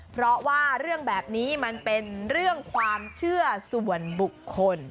เพราะว่าเรื่องแบบนี้มันเป็นเรื่องความเชื่อส่วนบุคคล